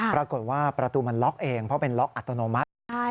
ปรากฏว่าประตูมันล็อกเองเพราะเป็นล็อกอัตโนมัติ